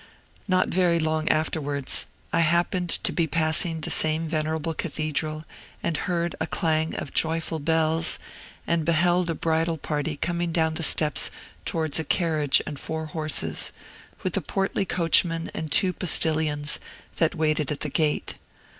Not very long afterwards, I happened to be passing the same venerable Cathedral, and heard a clang of joyful bells, and beheld a bridal party coming down the steps towards a carriage and four horses, with a portly coachman and two postilions, that waited at the gate.